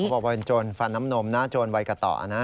บอกว่าเป็นโจรฟันน้ำนมนะโจรวัยกระต่อนะ